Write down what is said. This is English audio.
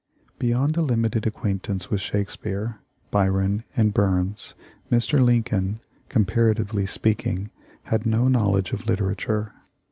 Beyond a limited acquaintance with Shakespeare, Byron, and Burns, Mr. Lincoln, comparatively speaking, had no knowledge of literature.